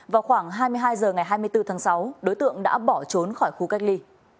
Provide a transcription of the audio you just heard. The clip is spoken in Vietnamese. vào khoảng hai mươi hai h ngày hai mươi bốn tháng sáu đối tượng đã bỏ trốn khỏi khu cách ly